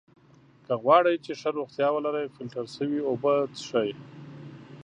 که غواړی چې ښه روغتیا ولری ! فلټر سوي اوبه څښئ!